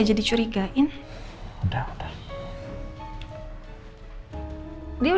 saya tahu tentang itu